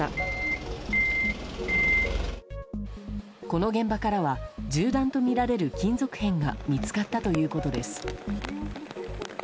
この現場からは銃弾とみられる金属片が見つかったということです。